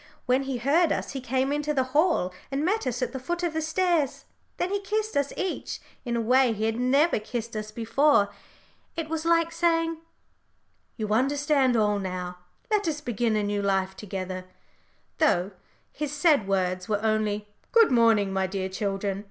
When he heard us he came into the hall and met us at the foot of the stairs. Then he kissed us each, in a way he had never kissed us before. It was like saying, "You understand all now. Let us begin a new life together;" though his said words were only, "Good morning, my dear children.